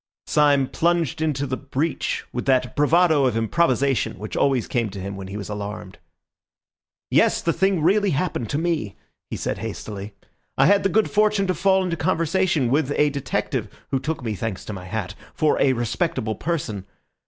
Syme plunged into the breach with that bravado of improvisation which always came to him when he was alarmed. "Yes, the thing really happened to me," he said hastily. "I had the good fortune to fall into conversation with a detective who took me, thanks to my hat, for a respectable person.